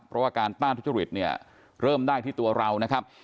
เพราะว่าการต้านทุจริตเนี่ยเริ่มได้ที่ตัวเรานะครับ